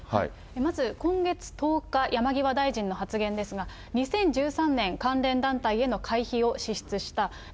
まず今月１０日、山際大臣の発言ですが、２０１３年、関連団体への会費を支出した。